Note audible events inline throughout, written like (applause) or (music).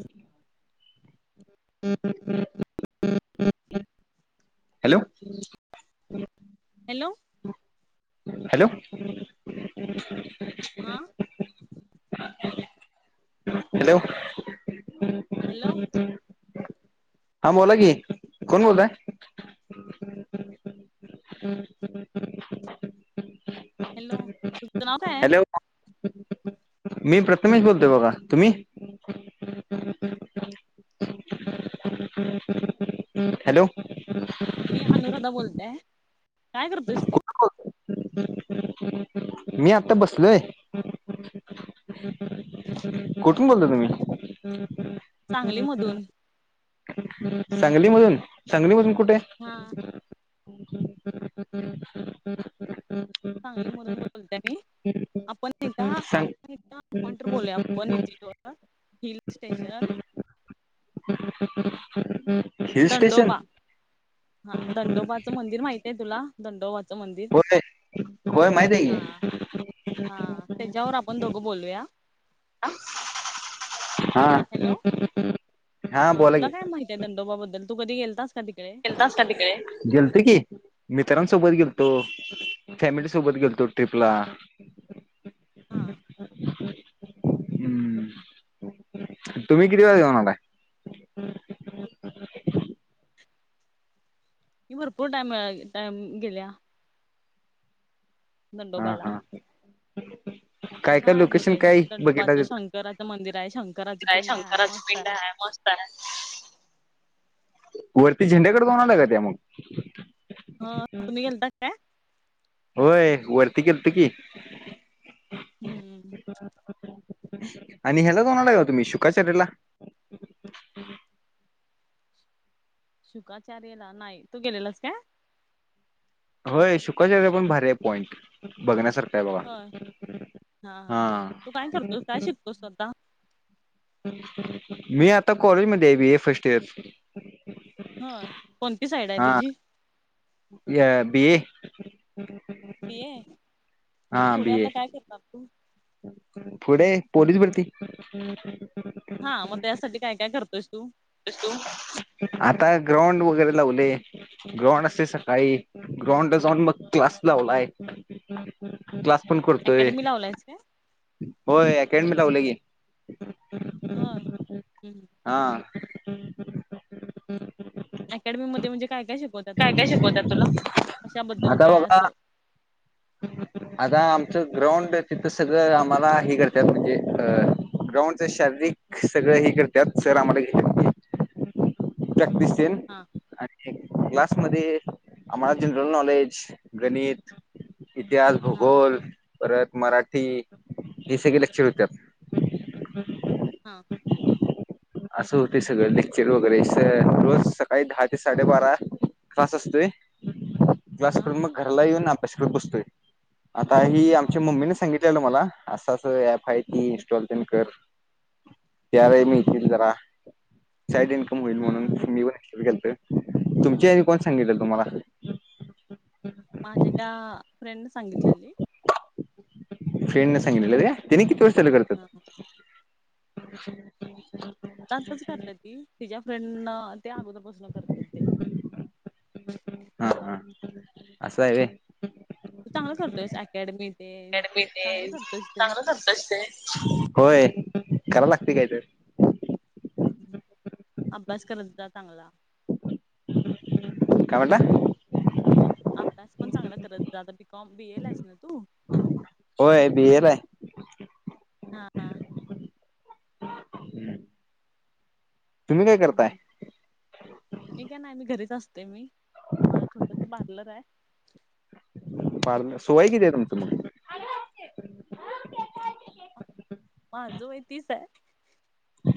हम्म हम्म hello hello hello हा. (inaudible) हॅलो हॅलो हा बोला की कोण बोलतय? हम्म हम्म हम्म हॅलो तुझं नाव काय हाय? हॅलो मी प्रथमेश बोलतोय बघा तुम्ही? हॅलो मी अनुराधा बोलतेय काय करतोयस तू? हम्म हम्म मी आता बसलोय. कुठून बोलता तुम्ही? सांगली मधून सांगलीमधून सांगलीमधून कुठे? हा. (inaudible) सांगली मधून बोलते मी आपण नाही का सांग आपण का आपण तर बोललाया आपण (unintelligible) हिल्स स्टेशन (inaudible) स्टेशन दंडोबा हा दंडोबाचं मंदिर माहित आहे तुला दंडोबाचं मंदिर होय होय माहित आहे हा की हा त्याच्यावर आपण दोघं बोलूया. हा. हॅलो हा बोला तुला की काय माहीत आहे दंडोबाबद्दल तू कधी गेलतास का तिकडे? तास काय तिकडे गेलतो की मित्रांसोबत गेलतो, फॅमिली सोबत गेलतो ट्रिपला हा. हम्म तुम्ही किती वाजेऊवणारता की भरपूर टाइम टाइम गेल्या. हा नडोबला. हा काय काय हा लोकेशन तिथे काय बघितला दंडोबाच तिथं शंकराचं मंदिर आहे शंकराची पिंड आहे मस्त आहे. बर वरती झेंड्याकडे दोनला काात्या मग- हो तुम्ही गेलताात काय होय वरती केलत की हम्मम. आणि ह्यालाचोणाला ग तुम्ही शुकाचर्ला. शुकाचार्यला नाही तू गेलेलास का होय शुकाच्या पण भारी आहे पॉईंट बघण्यासारखा आहे बघा. होय हां हां हां हा तू काय करतोस काय शिकतोस तू आता? मी आता कॉलेजमध्ये आहे. बी ए फर्स्ट इयर हय कोणती साईड आहे तुझी. या बी हम हम्म. बिए पुढे आता काय करतात तू पुढे पोलीस भरती. हा मग त्यासाठी काय काय करतोस तू आता ग्राउंड वगैरे लावले ग्राउंड असते सकाळी ग्राउंड जाऊन मग क्लास लावलाय. क्लास पण करतोय. अकॅडमी लावलायस काय हो अकॅडमी लावले के. हा ह. हा. अकॅडमी मध्ये म्हजे काय काय शिकत. काय काय शिकवतात तुला आता काय बबा असं आता आमचं ग्राउंड तिथं सगळं आम्हाला हे करत म्हणजे अ ग्राउंडच शारीरिक सगळं हे करतात सर आम्हाला त्याक् दिसते. हां. आणि क्लासमध्येध्ये आम्हाला जनरल नॉलेज गणित. इतिहास हा भूगोल. परत मराठी हे स काळे लेक्चर होत्यात. हां असं होत सगळं लेक्चर वगैरे रोज सकाळी दहा ते साडेबारा पाचस्त क्लास हा करून मग घराला येऊन अभ्यासकत बसतोय आता ही हो आमच्या मम्मीने सांगितले. तमला अस ऍप आहे ती इन्स्टॉल प कर यार मी येथतील हम्म जरा साईड इन्कम होईल म्हणून हा मी त तुमची कोण सांगितलं तुम्हाला. माझ्या ए का फ्रेंडने सांगितलेली. फ्रेंड न सांगितलेलं त्याने कती वर्ष चाू हा करतात. (inaudible) आताच करत्या ती. तिच्या फ्रेंडन ते अगोदर पासनं करत्यात ते. हा हा. असं हाय व्हय? तू चांगलं करतोयस (unintelligible) अकॅडमी ते करतोयस ते चांगलं करतोयस ते. होय, कराय लागतय कायतर. अभ्यास करत जा चांगला. काय म्हणला? अभ्यास पण चांगला करत जा. आता बी. कॉम, बी. ए ला आहेस ना तू? होय बी. ए ला हाय. हा हा. आहे. तुम्ही काय करताय? हम्म मी काय नाय, मी घरीच असते मी. माझं छोटसं पार्लर हाय. पार्ल अस वय कितीय तुमचं मग? माझं वय तीस हाय.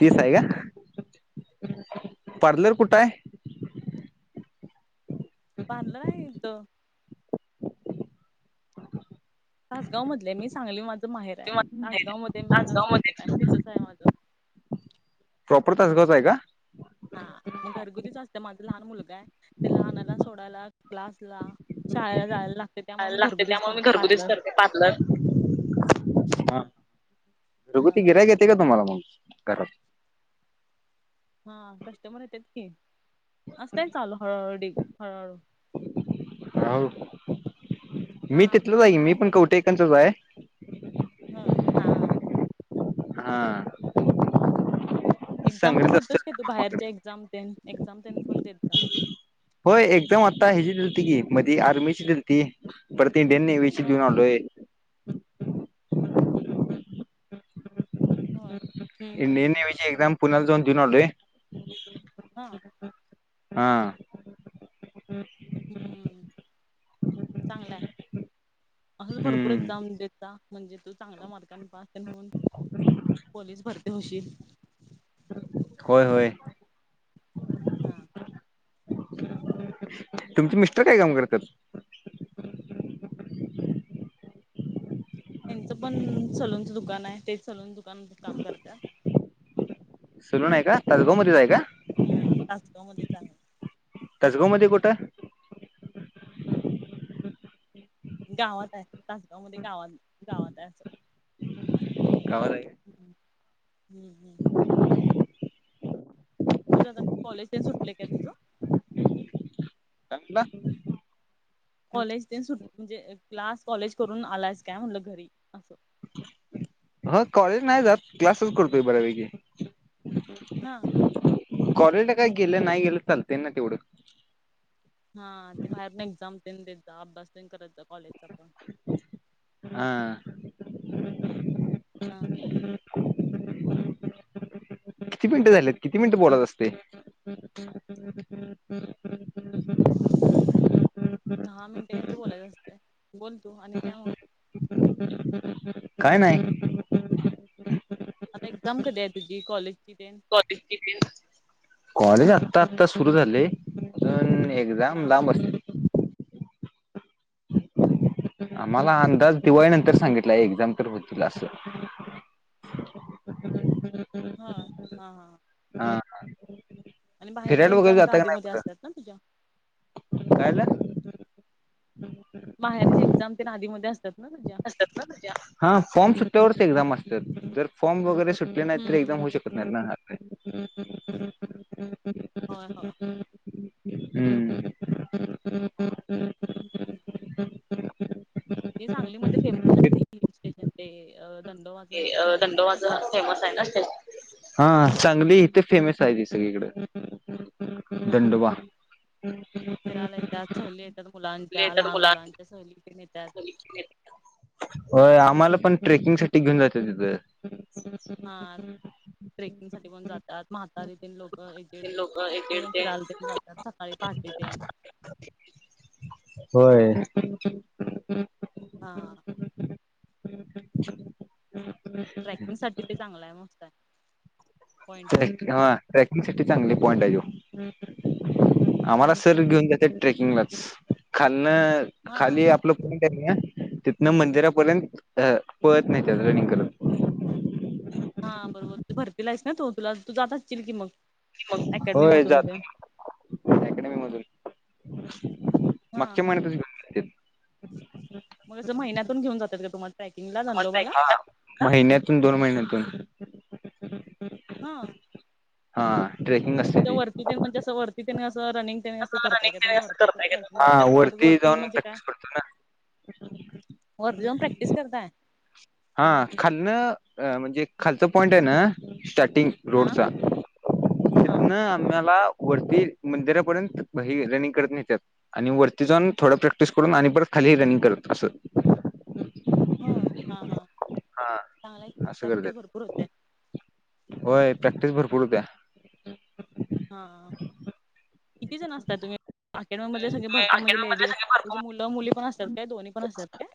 तीस हाय काय. पार्लर कुठाय? पार्लर हाय इथं तासगाव मधलीय मी, सांगली माझं माहेराय. तासगाव मध्ये माझं सासराय, तिथंच हाय माझं. प्रॉपर तासगावचं हाय का? हा मग घरगुतीच असते. माझा लहान मुलगाय तेला आणायला, सोडायला, क्लासला शाळेला जायला ला ला लागते त्यामुळे मी घरगुतीच करते पार्लर. हा हा घरगुती गिरायक येते का तुम्हाला मग घरात? हा कस्टमर येत्यात की, असतय ना चालू हळूहळ डिग हळूहळू. (unintelligible) हा मी तिथलंच हाय की, एवढं मी नाही पण करत कवठे एकंदचाच हाय. होय, हा. हा. एक्झाम तेन सांगलीत देतोस असतोय काय तू बाहेरच्या एक्झाम तेन? एक्झाम तेन पण देत जा. होय, एक्झाम आता ह्याची दिलती की, मध्ये आर्मीची दिलती. परत इंडियन नेवीची हा देऊन आलोय. होय (unintelligible) इंडियन हम्म नेव्हीची एक्झाम पुण्याला जाऊन देऊन आलोय हां. हा. हम्म चांगलाय. असंच भरपूर हम्म एक्झाम देत जा. म्हणजे तू चांगल्या मार्काने पास तेन हून पोलीस भरती होशील. होय, होय. हा. तुमचे मिस्टर काय काम करत्यात? ह्याचं पण सलूनचं दुकान हाय. ते सलून दुकानामध्ये काम करत्यात. सलून हाय का, तासगाव मधेच हाय का? हा, तासगाव मध्येच आहे. तासगाव मध्ये कुठं? गावात हाय, तासगाव मध्ये गावात गावात हाय असं. गावात हाय काय? हं हम्म हम्म. तुझं आता, कॉलेज तेन सुटलं काय तुझं? काय म्हणला? कॉलेज तेन सु, म्हणजे क्लास, कॉलेज करून आलायस काय म्हणलं घरी असं. हं, कॉलेज नाही जात, क्लासच करतोय बऱ्यापैकी. हा कॉलेजला काय गेलं, नाही गेलं, चालतय ना तेवढं. हा... ते बाहेर पण एक्झाम तेन देत जा, अभ्यास पण करत जा कॉलेजचा पण हा हां किती मिनिटं झाल्यात किती मिनिटं बोलाच असते? (inaudible) दहा मिनिटे काहीतरी बोलायचं असतं बोल तू आणि काय मग? (inaudible) काय नाही. आता एक्झाम कधी आहे. तुझी कॉलेजची तेन कॉलेज आत्ता आत्ता सुरू झालंय पण एक जाम हा लांब असत. आमाला अंदाज दिवाळी नंतर सांगितला एक्झाम तर होतील अस. हां हां हां. हा आणि बाहेरच्या फिरायला वगैरे एक्झाम का जाता नाही आधीमध्ये कुठं असतात ना तुझ्या? काय ल. बाहेरच एक्झाम ते आदीमध्ये असतात ना तुझ्या? असतात ना तुझ्या हा फॉर्म सुट्ट्यावरच एक्झाम असतात. जर फॉर्म वगैरे सुटले नाहीत तर हम्म. एक्झम होऊ शकत (unintelligible) होय, होय हुं. (inaudible) हे सांगलीमध्ये फेमस ए की, हिल स्टेशन ते दंडोवाचं दंडोबाच फेमस हाय ना स्टेशन हा चांगली इथे फेमस आहे ती सगळीकडे हा दंडोबा (inaudible) फिरायला येतात सहली येतात मुलांच्या लेटर लहान मुला मुलांच्या सहली तेन येतात. होय आम्हाला पण ट्रेकिंग साठी घेऊन जायच तिथं. हा ट्रेकिंग साठी पण जातात. म्हातारी ते लोक एकेडते लोक एक दीड तेव फिरायल ते जातात सकाळी पहाटे तेन. (inaudible) होय. हां. ट्रॅकिंग साठी ते चांगला आहे मस्त आहे पॉइंट ट्रेक हा ट्रॅकिंग साठी चांगली पॉईंट आहे त्यो. हा आम्हाला सर घेऊन जात्यात ट्रेकिंगलाच खालन हा खाली आप आप पंट आहे ना तिथन मंदिरापर्यंत पळत नेत्यात रनिंग करत. हां बरोबर तू भरतीला आहेस ना तू तुला तू जात अशिल की मग. अकॅडमी होय मधून तेन. जातो हा मगच्या महिन्यातच घेऊन मग असं महिन्यातून घेऊन जातात का तुम्हाला? ट्रेकिंग ला महिन्यातून दोन महिन्यातून हा हा ट्रेकिंग म असते त्या ती वरती म्हणजें वरती त्यानी असं रनिंग त्यानी असं करताय का तुम्ही वरती ट्रॅकिंग हा व वरती जाऊन म्हणजे काय? प्रॅक्टिस करतो ना वरती जाऊन प्रॅक्टीस करताय? हा खालनं म्हणजे खालचं पॉईंट आहे ना स्टार्टिंग हा रोडचा हा तिथंन आम्हाला वरती मंदिरापर्यंतही रनिंग करत न्हेत्यात. आणि वरती जाऊन थोडं प्रॅक्टिस करून आणि परत खाली रनिंग करत असं. हो हा हा हा चांगला आहे की असं प्रॅक्टिस करतात भरपूर होते. होय प्रॅक्टिस भरपूर होत्या. हा किती जण असता तुम्ही आक्येडमी मध्ये सगळे भरपूर म्हणजे अकॅडमी मधले लेडी सगळे म्हणजे भरपूर मुलं मुली पण असत्यात काय दोन्ही पण असत्यात काय?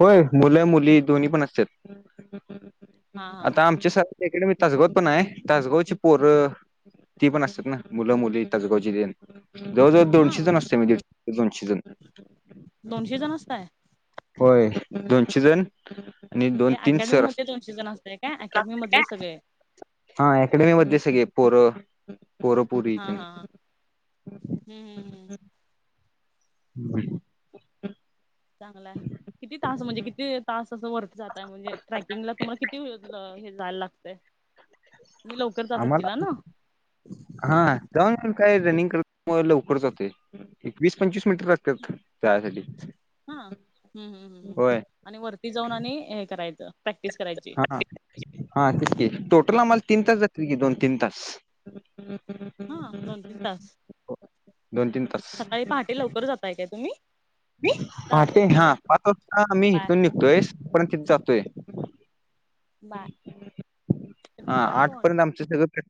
होय मुलं मुली दोन्ही पण असत्यात. हा हा आता आमच्या सारख इकडे बी तासगावात पण हाय तासगावची पोर ती पण असतात ना मुलं मुली तासगावची देन जवळजवळ दोनशे हा जण असत्या म्हणजे दोनशे जण दोनशे जण असताय होय दोनशे जण आणि दोन ते तीन अकॅडमी सर मध्ये दोनशे जण असताय असत काय अकॅडमी मधले सगळे (unintelligible) हा अकॅडमीमध्यले सगळे पोर पोर हा हा हा हम्म हम्म हम्म (unintelligible) चांगला किती तास म्हणजे किती तास कंस वर जात म्हणजे ट्रॅकिंगला तुम्हाला किती हे जायला लागतय. आम्हाला हा ते काय रनिंग करत लवकर जातोय. एकवीस पंचवीस मिनिटं लागत्यात चालासाठी. हा हं हं हं हं आणि वरती जाऊन आणि हे करायचं. प्रॅक्टिस करायची हाहा हा तितके टोटल हा आम्हाला तीन तास जातील की दोन तीन तास हा दोन तीन तास दोन तीन तास सकाळी पहाटे लवकर जाताय काय तुम्ही? चालतंय पहाटे हा ठीक आहे ओके आता मी बाय इथून निघतोय पण तिथ जातोय. बाय. हा कर आठ फोन. पर्यंत आमच सगळं प्रॅक